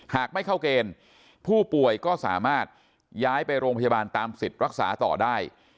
หากไม่เข้าเกณฑ์ผู้ป่วยก็สามารถย้ายไปโรงพยาบาลตามสิทธิ์รักษาต่อได้